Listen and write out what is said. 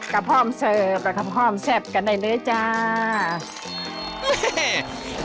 ก็พร้อมเสิร์ฟกับคำหอมแซ่บกันได้เลยจ้า